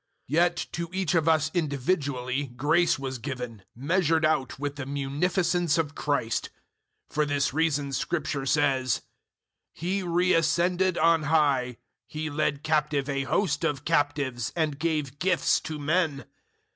004:007 Yet to each of us individually grace was given, measured out with the munificence of Christ. 004:008 For this reason Scripture says: "He re ascended on high, He led captive a host of captives, and gave gifts to men."